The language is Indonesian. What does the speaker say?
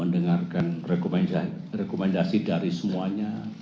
dan rekomendasi dari semuanya